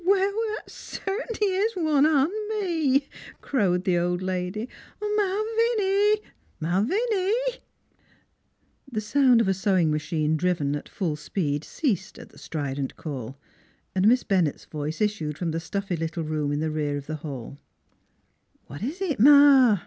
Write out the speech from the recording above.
" Well, that cert'nly is one on me !" crowed the old lady. ... "Malviny! Malviny!" The sound of a sewing machine driven at full speed ceased at the strident call, and Miss Ben nett's voice issued from the stuffy little room in the rear of the hall: "What is it, Ma?"